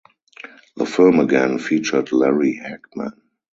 The film again featured Larry Hagman.